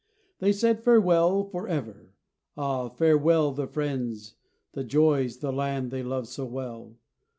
They said farewell for ever! ah, farewell The friends, the joys, the land, they loved so well.